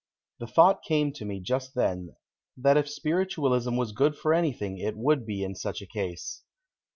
The thought came to me just then that if Spiritualism was good for anything it would be in such a case.